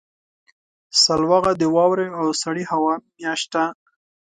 سلواغه د واورې او سړې هوا میاشت ده.